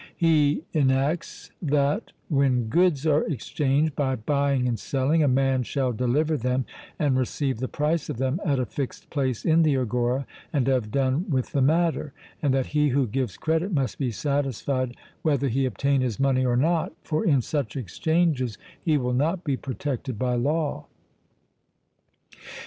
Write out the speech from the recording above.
He enacts that 'when goods are exchanged by buying and selling, a man shall deliver them and receive the price of them at a fixed place in the agora, and have done with the matter,' and that 'he who gives credit must be satisfied whether he obtain his money or not, for in such exchanges he will not be protected by law.